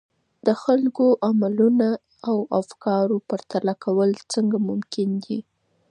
د خلګو د عملونو او افکارو پرتله کول څنګه ممکن دي؟